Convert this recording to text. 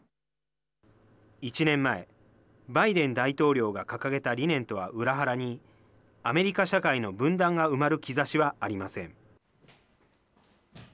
１年前、バイデン大統領が掲げた理念とは裏腹に、アメリカ社会の分断が埋まる兆しはありません。